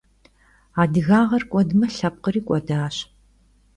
Adıgağer k'uedme lhepkhri k'uedaş.